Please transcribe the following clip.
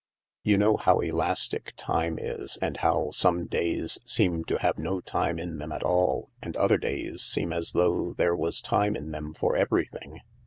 You know how elastic time is, and how some days seem to have no time in them at all, and other days seem as though there was time in them for everything.